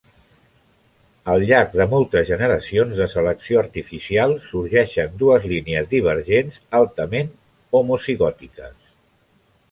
Al llarg de moltes generacions de selecció artificial sorgeixen dues línies divergents altament homozigòtiques.